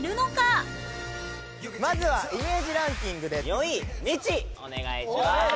まずはイメージランキングで４位みっちーお願いします！